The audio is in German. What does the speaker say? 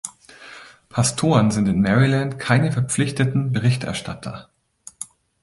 Pastoren sind in Maryland keine verpflichteten Berichterstatter.